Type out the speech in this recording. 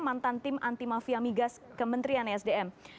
mantan tim anti mafia migas kementerian esdm